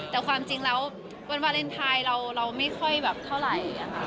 แต่ความจริงแล้ววันวาเลนไทยเราไม่ค่อยแบบเท่าไหร่ค่ะ